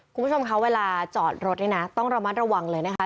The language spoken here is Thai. คุณผู้ชมคะเวลาจอดรถนี่นะต้องระมัดระวังเลยนะคะ